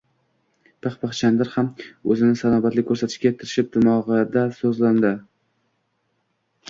Pixpix Chandr ham o‘zini salobatli ko‘rsatishga tirishib, dimog‘ida so‘zlandi: